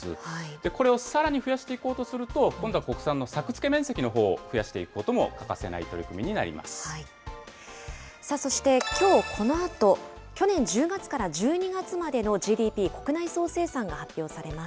これをさらに増やしていこうとすると、今度は国産の作付面積のほうを増やしていくことも欠かせない取りそしてきょうこのあと、去年１０月から１２月までのＧＤＰ・国内総生産が発表されます。